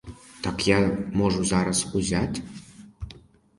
Так я можу зараз узять?